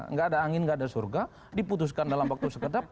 nggak ada angin nggak ada surga diputuskan dalam waktu sekedap